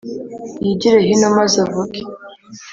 yigire hino maze avuge.